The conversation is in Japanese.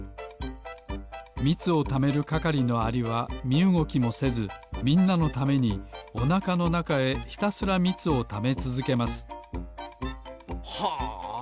みつをためるかかりのアリはみうごきもせずみんなのためにおなかのなかへひたすらみつをためつづけますはあ！